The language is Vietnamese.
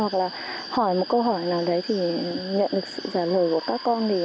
hoặc là hỏi một câu hỏi nào đấy thì nhận được sự giả lời của các con